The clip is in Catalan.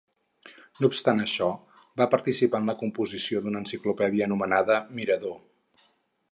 No obstant això, va participar en la composició d'una enciclopèdia anomenada "Mirador".